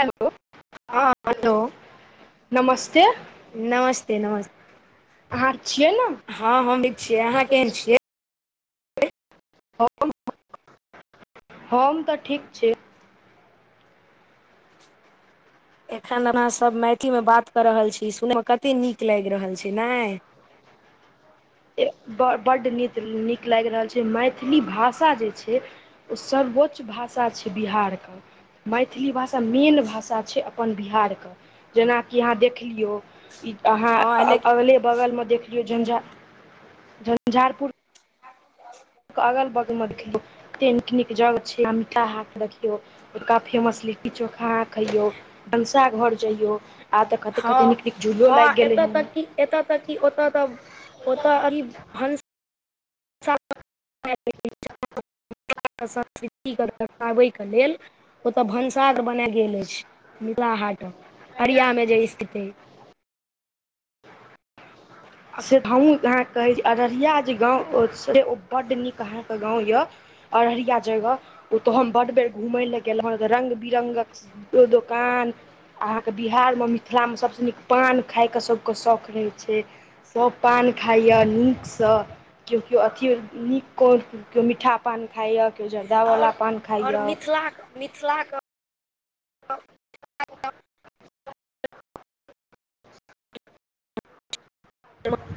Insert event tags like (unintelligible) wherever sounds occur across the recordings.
Hello हँ hello नमस्ते नमस्ते नमस्ते अहाँ छियै ने हँ हम भी छियै अहाँ केहन छियै हम हम तऽ ठीक छी एखन अहाँ सब मैथिली मे बात कऽ रहल छी सुने में कते नीक लाइग रहल छै नाऽ बड्ड नीक नीक लागि रहल छै मैथिली भाषा जे छै ओ सर्वोच्च भाषा छै बिहार कऽ मैथिली भाषा मेन भाषा छै अपन बिहार कऽ जेनाकि अहाँ देख लियौ ई अहाँ हँ लेकिन अगले बगलमे देख लियौ झंझार झञ्झारपुर (inaudible) अगल बगल ओर छी एते नीक नीक जगह छै आ मिटहा रखियौ ओका फेमस लिट्टी चोखा अहाँ खयौ भनसाघर जयौ आब तऽ कतेक कतेक नीक नीक झूलो लागि गेलै ह एत तक की ओत तऽ ओतय अभी भंस सब (unintelligible) संस्कृति के दर्शाबै के लेल ओतऽ भनसार बनाय गेल अइछ मिथिला हाट अरिया मे जे स्थिति अछी से हमहूँ अहाँ के कहैत छी अररिया जे गाँव छै से ओ बड्ड नीक अहाँ के गाँव यऽ अररिया जगह ओ तऽ हम बड बेर घुमय लए गेलहु रंग बिरंग क तू दोकान अहाँ के बिहार में मिथिला में सबसँ नीक पान खाइ के सबके शौक रहै छै सब पान खाइए नीक सँ केओ केओ अथि नीक केओ मीठा पान खाइए केओ जरदा आओर वला पान आओर खाइए मिथिला कऽ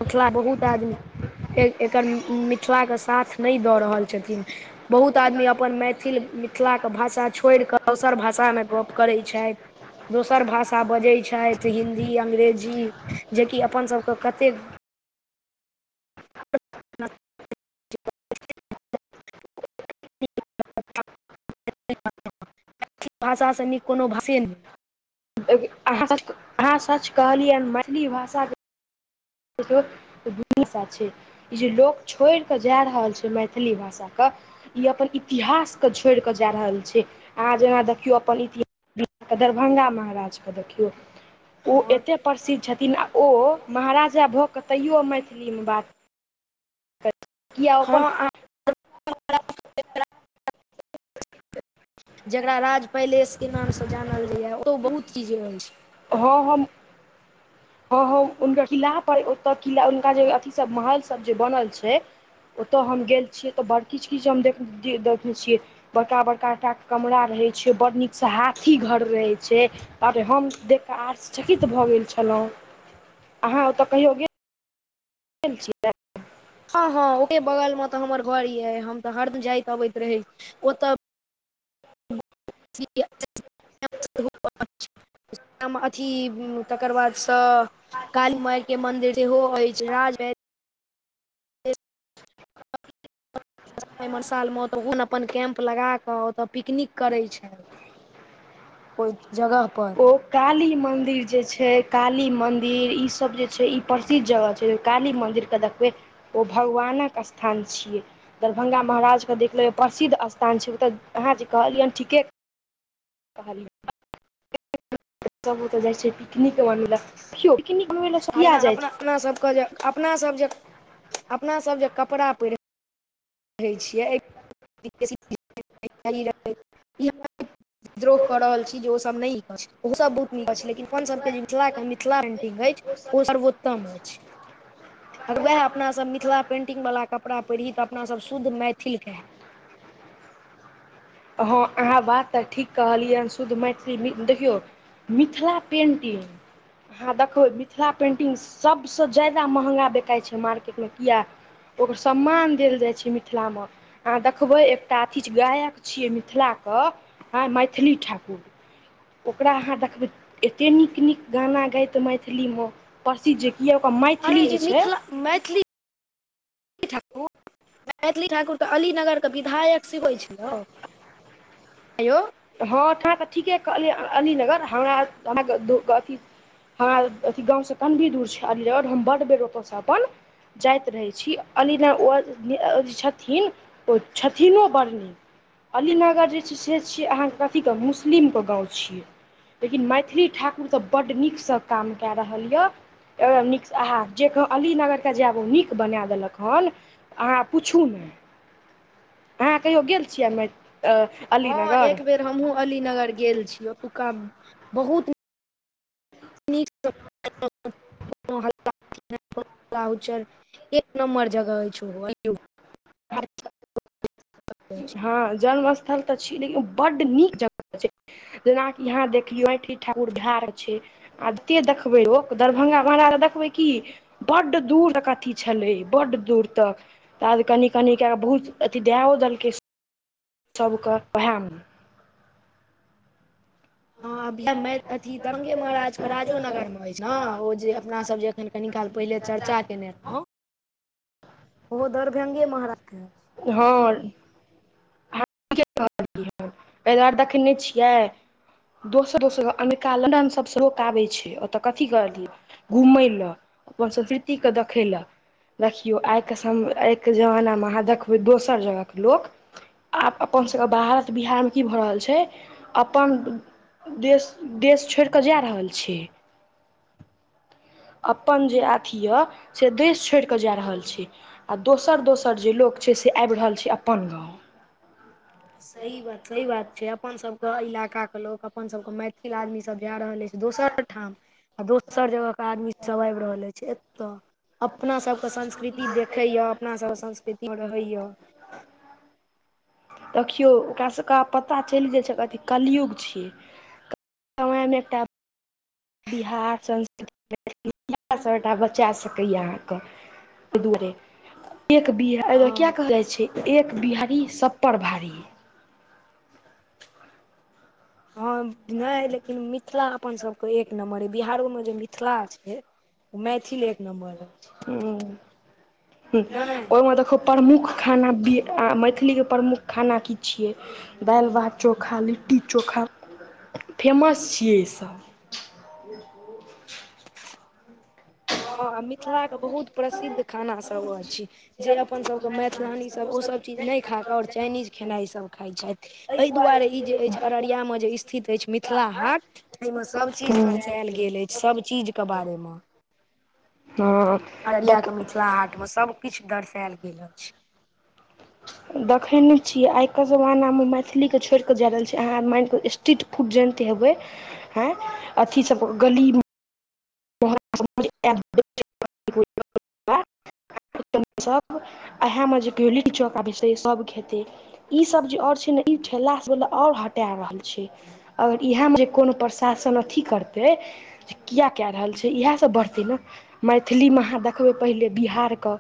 मिथिला बहुत आदमी एकर मिथिलाके साथ नै दऽ रहल छथिन बहुत आदमी अपन मैथिल मिथिलाके भाषा छोइड कऽ दोसर भाषामे गप्प करै छथि दोसर भाषा बजै छथि हिंन्दी अंग्रेजी जेकि अपनसभके कतेक मैथिली भाषा सँ नीक कोनो भाषे नै अहाँ सच अहाँ सच कहलियैन मैथिली भाषा (unintelligible) ई जे लोक छोड़ि कऽ जा रहल छै मैथिली भाषाके इ अपन इतिहास के छोड़ कऽ जा रहल छै अहाँ जेना देखियौ अपन इतिहास दरभंगा महाराज के देखियौ ओ एतेक प्रसिद्ध छथिन आ ओ महाराजा भऽ कऽ तैयो मैथिलीमे बात किया ओ अपन हँ हँ जकरा राज पैलेस के नाम स जानल जाइए ओ बहुत चीज रहै छै हँ हम हँ हँ हुनकर किला पर ओतय किला हुनका जे अथिसभ महल सब जे बनल छै ओतय हम गेल छियै तऽ बड़ किछ किछ हम देखै छियै बड़का बड़कटा के कमरा रहै छै बड़ नीकसँ हाथी घर रहै छै अरे हम देख कऽ आश्चर्यचकित भऽ गेल छलहुँ आहाँ ओ तऽ कहियो गेल गेल छियै हँ हँ ओकर बगल में तऽ हमर घर यऽ हम तऽ हरदिन जायइत अबैत रही ओतऽ (unintelligible) में अथि तकर बादसँ काली माय के मंदिर सेहो अछि राज एमर साल में ओ तऽ ओ अपन कैम्प लगाकऽ ओतऽ पिकनिक करै छै ओहि जगह पर ओ काली मंदिर जे छै काली मंदिर ई सब जे छै ई प्रसिद्ध जगह छै काली मन्दिर के देखबै ओ भगवानक स्थान छियै दरभ्ंगा महाराजके देखले प्रसिद्ध स्थान छै तऽ अहाँ जे कहलियै ठीके कहलीये सब ओते जाय छै पिकनिक मनबे ल यो पिकनिक मनबे किया जाय छै अपनसब जे कपड़ा पहिरैत छी। कहै छियै (unintelligible) विद्रोह कऽ रहल छी जे ओसब नीक अछि ओहोसभ बहुत नीक अछि लेकिन अपनसभके जे मिथिलाके मिथिला पेन्टिंग अछि ओ (unintelligible) आर उएह अपनासभ मिथिला पेन्टिंगवला कपड़ा पहिरही तऽ अपनासभ शुद्ध मैथिलके कहैब हँ अहाँ बात तऽ ठीक कहलियन शुद्ध मैथिली देखियौ मिथिला पेन्टिंग अहाँ देखबे मिथिला पेन्टिंग सब स ज्यादा महँगा बिकाइ छै मार्केट में किया ओकर सम्मान देल जाइ छै मिथिलामे अहाँ देखबै एकटा अथी गायक छियै मिथिला के आय मैथिली ठाकुर ओकरा अहाँ देखबै एतेक नीक-नीक गाना गैत मैथिलीमें प्रसिद्ध। ई ओकर माइ अरे ई मिथिला मैथिली ठाकुर मैथिली ठाकुर के अली नगर के विधायक से होइ छैलो आ य हँ ठाम तऽ ठीके कहलीयै अलीनगर हमरा हमरा अथी हमरा अथी गाँव सँ कनि दूर छै अै ओर हम बड बेर ओतय स अपन जाइत रहै छी अली न ओ जे छथिन ओ छथिनो बड़ नीक अलीनगर जे छै से छियै अहाँके कथी क मुस्लिमके गाव छियै लेकिन मैथिली ठाकुर त बड नीकसँ काम कए रहल य एकदम नीक स आहा जे कह अलीनगर के जायब ओ नीक बना देलक हन अहाँ पुछू नहि अहाँ कहियो गेल छियै मे अ हँ एक बेर हमहुँ अली नगर गेल छीऔ ओतुका में बहुत हल्का र एक नम्बर जगह है छौ हँ जन्मस्थल तऽ छी लेकिन बड्ड नीक जगह छै जेनाकि एतय देखियौ, सब किछ ठीक-ठाक भऽ रहल छै। आत देखबै ओ दरभंगा (unintelligible) देखबै की बड दूर तक अथी छलै बड् दूर तक तऽ आज कनि कनि कए कऽ बहुत अथी दओ देलकै सबके वहेमे हँ (unintelligible) दरभंगो महाराज राजो नगरमे ह ओ जे अपना सब जे अखन कनी काल पहिले चर्चा केने रहौ ओहो दरभंगे महाराज के हां कहियै ह एहि दुआरे देखे ने छियै दोसर-दोसर अमेरिका, लन्दन सबसँ लोक अबैत छै। ओतय की कएलियै? घूमय ल अपन संस्कृतिके देखय ल देखियौ आइके सम आइके जमानामे अहाँ देखबै दोसर जगहके लोक आब अपन सबके भारत बिहार मे की भऽ रहल छै अपन देश देश छोइड कऽ जा रहल छी। अपन जे अथी यऽ से देश छोड़ किओ जा रहल छथि, आ दोसर-दोसर लोक अपन गाम आबि रहल छथि। सही बात सही बात छै अपन सब के इलाका के लोग अपन सब के मैथिल आदमी सब जा रहल अछि दोसर ठाम दोसर जगह के आदमी सब आब रहल अछि एतय अपन अपना सबके संस्कृति देखै यऽ अपना सभके संस्कृति में रहै यऽ दखियौ ओकरा सके पता चलि गेल छै अथी कलयुग छियै समय में एकटा बिहार संस्कृति इएह सबटा बचा सकैए अहाँके (unintelligible) तहि दुआरे हँ कहल जाइत छै एक बिहारी, सभ पर भारी। ह ने लेकिन मिथिला अपन सब के एक नम्बर ह बिहारो मे जे मिथिला छै मैथिल एक नम्बर अछि हँ हँ नहि ओ मत खूब प्रमुख खाना मैथिली के प्रमुख खाना की छियै दाल भात चोखा लिट्टी चोखा फेमस छियै इसब हँ मिथिला के बहुत प्रसिद्ध खाना सब अछि जे अपन सबके मैथिलानी सब ओ सब चीज नय खाइ छथि, आब चाइनीज खेनाइ बेसी खाइ छथि। एहि दुआरे ई स्थिति अछि। स्थित अछि मिथिला हाट ऐ मे सब चीज दर्शेऽल गेल अछि सब चीज के बारे मे हँ देखक। मे सब किछु दर्सायल गेल अछि देखैने छियै आइ क जमाना मे मैथिली के छोड़ क जाय रहल छै अहाँ (unintelligible) स्ट्रीट फूट जानिते हेबै हँ अथी सब गलीमे (unintelligible) सब इएह में जे कहयो लिट्टी चौखा बेचते सभ खेतै ई सब्जीओ अछि ने, आ ई ठेला ओर हटा रहल छै। अगर इएह में जे कोनो प्रशासन अथी करतै जे किया कए रहल छै से इएह सब बढ़तै ने। मैथिलीमे अहाँ देखबै, पहिने बिहारके।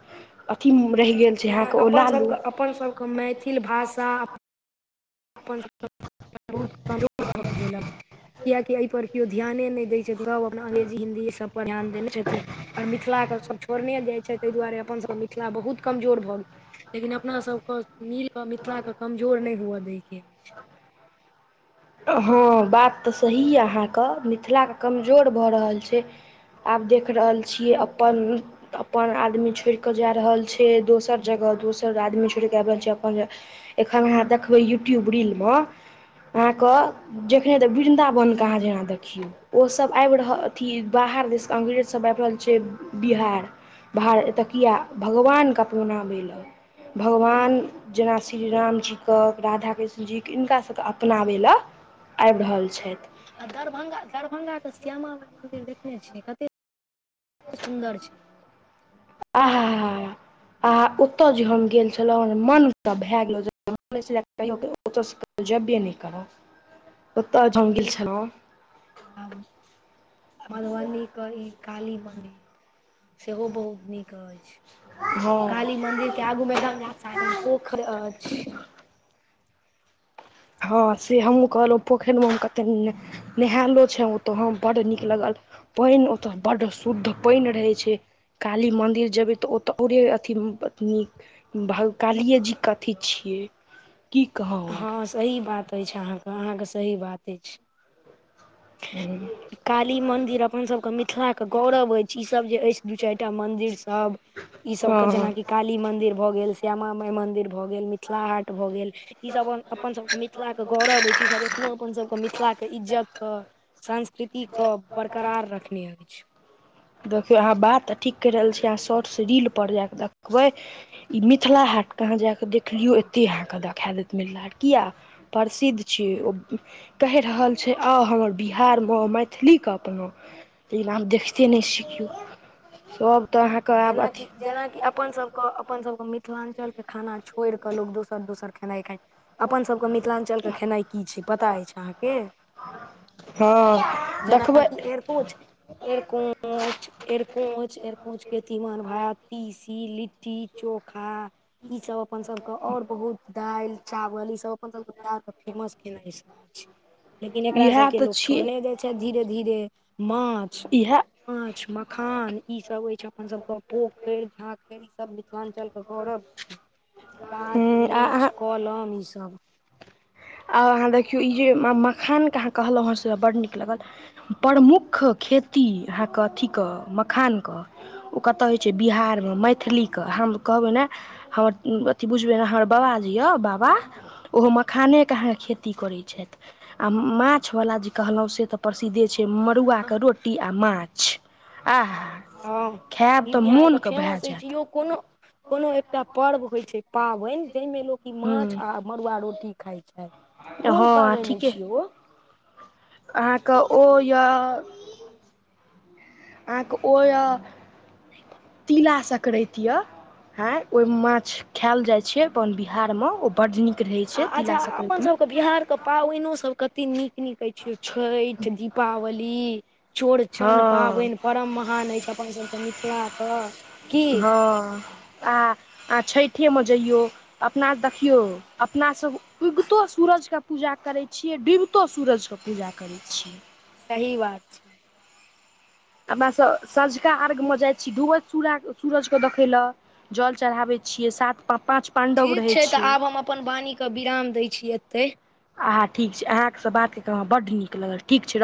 अथि मे उ रहि गेल छै नहि अहाँके ओ अपन लालू सभके अपन सबके मैथिल भाषा (unintelligible) बहुत कियकि एहि पर केओ ध्यान नहि दै अंग्रेजी हिन्दी सब पर ध्यान देनेे छथिन ओर मिथिलाके सभ छोड़ने जाइ छै, ताहि दुआरे अपनसभके मिथिला बहुत कमजोर भऽ गेल। लेकिन अपनासभके मिल कऽ मिथिलाके कमजोर नहि हुअ दैके हँ बात तऽ सही यए अहाँके मिथिलाके कमजोर भऽ रहल छै। आब देख रहल छियै अपन अपन आदमी छोड़ि कऽ जा रहल छै दोसर जगह दोसर आदमी छोड़ि कऽ आबि रहल छै अपन एखन अहाँ देखबै यूट्यूब रीलमे अहाँ के जखने तऽ वृन्दावन के अहाँ जेना देखियौ ओसभ आबि रहल अथी बाहर देशके अग्रेजसभ आएब रहल छै बिहार भार एतय किए भगवान के प्रोग्राम य लए भगवान जेना श्री रामजीके राधा कृष्ण जीके हिनका सबके अपनाबै लए आइब रहल छथि आ दरभंगा दरभंगा के श्यामा माय मंदिर देखने छिय कते सुन्दर छै ओ। आहाँ आ ओतय जे हम गेल छलहुँर मन भए गेल होय छले तइयो ओत सऽ कतउ जेबै नय करब ओत जे गेल छलहुॅं हं मधुबनी कहीकाली मन्दिर सेहो बहुत नीक अछि हँ काली मन्दिर केगो में गंगा साइ पोखरि अछि हँ से हमहूँ कहलहुँ पोखरि में हम कते नहायलो छ तो हम बड्ड नीक लगल पनि ओत बड्ड शुद्ध पानि रहै छै काली मन्दिर जेबै तऽ ओत पुरेअथी नीक भंग कालिए जीके अथी छियै की कहौं हँ सही बात अछि अहाँक अहाँक सही बात अछि (unintelligible) काली मन्दिर अपनासभके मिथिलाके गौरव अछि ईसभ जे अछि दू चारि टा मन्दिरसभ ई सबके हँ जेनाकि काली मंदिर भऽ गेल श्यामा माई मंदिर भऽ गेल मिथिला मिथिला हाट भऽ गेल ई सब अपन सबके मिथिला के गौरव अछि इ सब एखनो अपन सबक मिथिलाके इज्जत कह सांस्कृतिके बरकरार रखने अछि देखियौ अहाँ बात तऽ ठीक कैह रहल छीयै अहाँ शॉर्ट्स रीलपर जा कऽ देखबै ई मिथिला हाटके अहाँ जा कऽ देखलियौ एते अहाँके देखा देत मिथिला हाट किया प्रसिद्ध छियै ओ कहि रहल छै आऊ हमर बिहारमे मैथिलीे के अपनाओ लेकिन देखतीए (unintelligible) कियो सब तऽ आहाँ जेनाकि जेनाकि अपन सबके अपन सबके मिथिलांचल के खाना छोड़ि कऽ लोक दोसर दोसर खेनाय खाय अपनसभके मिथिलांचलके खेनाइ की छै पता अछि अहाँके हँ देखबै एरिकोंच एरिकोंच एरकोंच एरकोंच के तिमन भात तीसी लिट्टी चोखा ई सब अपन सब के आओर बहुत दालि चावल ई सब अपन सब के बिहार के फेमस खेनाइ लेकिन एकरा इएह सबके तऽ लोग छियै छोड़ने जाय धीरे धीरे माछ इएह माछ मखान ई सब होय छै अपन सब के पोखरि झाखरि ई सब मिथिलांचल तऽ गौरव छी गाछ हूँ आ वृक्ष अहाँ कलम ई सब आ अहाँ देखियौ ईहे मखानके अहाँ कहलौं हेँ से बड्ड नीक लगल प्रमुख खेती अहाँके अथीक मखानक ओ कतय होय छै बिहार मे मैथिलीक हम कहबै ने हमर अथी बुझबै ने हमर बाबा जे यऽ बाबा ओहो मखानेके अहाँके खेती करैत छथि आ माछवाला जे कहलौं से त प्रसिद्धे छै मड़ुआके रोटी आ माछ आहा हा हँ ई बिहारके फेमस जायत अछि यौ कोनो कोनो एकटा पर्व होय छै पाबनि जाहिमे लोक ई हँ माछ आब मड़ुआ रोटी खाय छथि कोन पाबनि छियै ओ अहाँक ओ य अहाँक ओ य तीला सकरैत हांय ओहि माछ खायल जाय छै अपन बिहार मे ओ बड्ड नीक रहै छै तिला सकराति म के बिहारके पाबनिओसभ कतेक नीक नीक अछि यौ छठि दीपावली चौड़चन हँ पाबनि परम महान अछि अपनसभके मिथिलाक की हँ आ छठिेमे जयौ अपना देखियौ अपना सब उगितो सूरज क पूजा करै छियै डूबितो सूरज के पूजा करै छियै सही बात छै अपनास सँझुका अर्घ्यमे जाय छी डूबैत सूरा सूरजकेँ देखय ल जल चढ़ाबैत छियै सात पाँच पाण्डव ठीक रहै छै तऽ छियै आब हम अपन वाणीके विराम दै छी एतै आहा ठीक छै अहाँँ सँ बात कैरक हमरा बड नीक लगल ठीक छै रखु